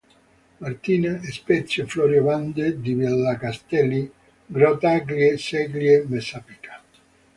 Martina: Spezio-Florio-Bande di Villa Castelli, Grottaglie, Ceglie Messapica.